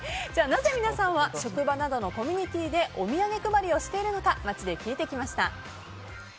なぜ皆さんは職場などのコミュニティーでお土産配りをしているのか街で聞いてきました。